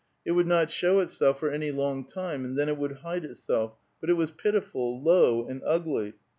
It would not show itself for any long time, and then it would hide itself; but it was pitiful, low, and ugly.